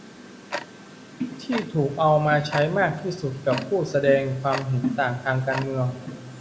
ที่ถูกเอามาใช้มากที่สุดกับผู้แสดงความเห็นต่างทางการเมือง